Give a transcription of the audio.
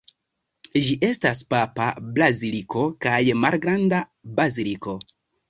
Ĝi estas papa baziliko kaj malgranda baziliko.